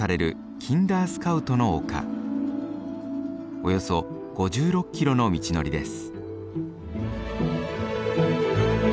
およそ５６キロの道のりです。